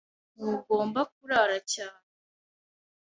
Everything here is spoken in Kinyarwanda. Ntugomba kurara cyane.